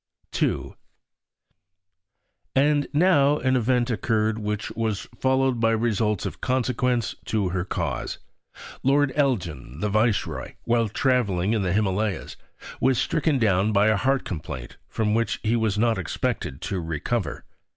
II And now an event occurred which was followed by results of consequence to her cause. Lord Elgin, the Viceroy, while travelling in the Himalayas, was stricken down by a heart complaint from which he was not expected to recover.